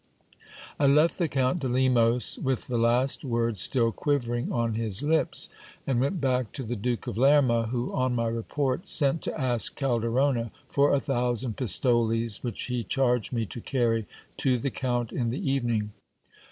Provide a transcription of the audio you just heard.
I left the Count de Lemos with the last words still quivering on his lips, and went back to the Duke of Lerma, who, on my report, sent to ask Calderona for a thousand pistoles, which he charged me to carry to the count in the evening.